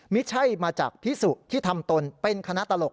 ไม่ใช่มาจากพิสุที่ทำตนเป็นคณะตลก